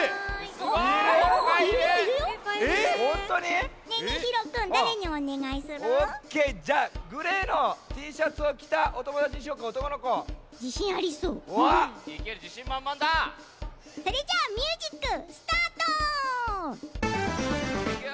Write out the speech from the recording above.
それじゃミュージックスタート！